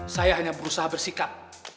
saya hanya berusaha bersikap